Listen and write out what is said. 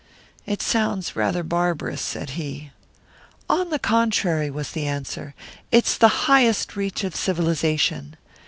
"It sounds rather barbarous," said he. "On the contrary," was the answer, "it's the highest reach of civilisation.